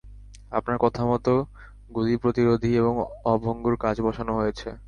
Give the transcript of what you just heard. আপনার কথামতো গুলি-প্রতিরোধী এবং অভঙ্গুর কাঁচ বসানো হয়েছে।